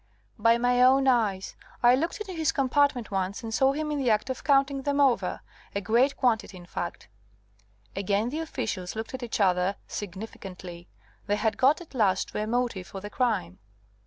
"By my own eyes. I looked into his compartment once and saw him in the act of counting them over, a great quantity, in fact " Again the officials looked at each other significantly. They had got at last to a motive for the crime.